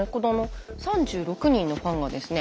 ３６人のファンがですね